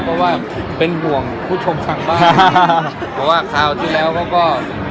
เพราะว่าเป็นห่วงผู้ชมทางบ้านเพราะว่าคราวที่แล้วเขาก็